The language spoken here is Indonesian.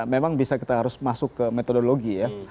memang bisa kita harus masuk ke metodologi ya